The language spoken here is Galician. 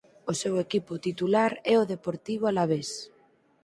O seu equipo titular é o Deportivo Alavés.